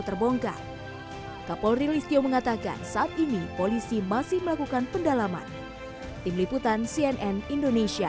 terbongkar kapolri listio mengatakan saat ini polisi masih melakukan pendalaman tim liputan cnn indonesia